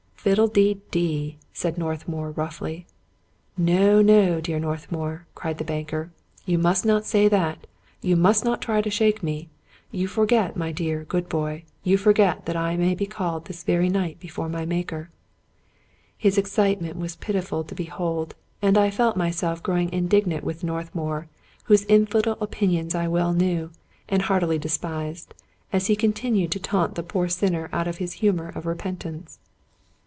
" Fiddle de dee !" said Northmour roughly. " No, no, dear Northmour !" cried the banker. " You must not say that ; you must not try to shake me. You for get, my dear, good boy, you forget I may be called this very night before my Maker." His excitement was pitiful to behold; and I felt myself grow indignant with Northmour, whose infidel opinions I well knew, and heartily despised, as he continued to taunt the poor sinner out of his humor of repentance.